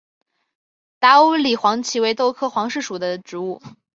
达乌里黄耆为豆科黄芪属的植物。